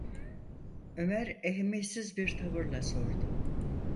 Ömer ehemmiyetsiz bir tavırla sordu: